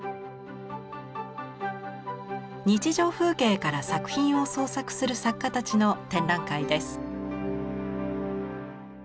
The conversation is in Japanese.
日常風景から作品を創作する作家たちの展覧会です。